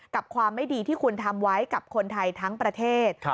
กับความไม่ดีที่คุณทำไว้กับคนไทยทั้งประเทศ